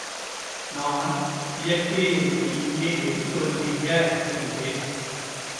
நான் கியக்கேயிருந்து இங்கே எதுக்கு வந்தீங்க? —என்றேன்.